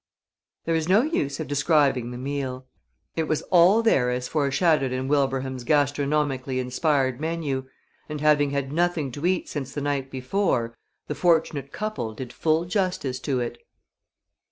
There is no use of describing the meal. It was all there as foreshadowed in Wilbraham's gastronomically inspired menu, and having had nothing to eat since the night before, the fortunate couple did full justice to it.